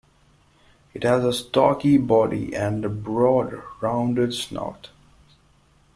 It has a stocky body and a broad, rounded snout.